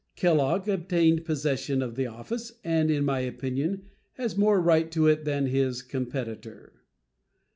Kellogg obtained possession of the office, and in my opinion has more right to it than his competitor.